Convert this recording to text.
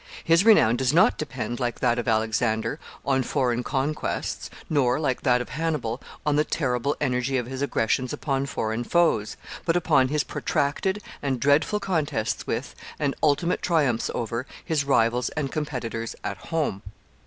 His renown does not depend, like that of Alexander, on foreign conquests, nor, like that of Hannibal, on the terrible energy of his aggressions upon foreign foes, but upon his protracted and dreadful contests with, and ultimate triumphs over, his rivals and competitors at home.